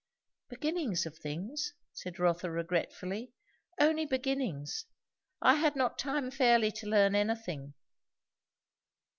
"Beginnings of things," said Rotha regretfully; "only beginnings. I had not time fairly to learn anything."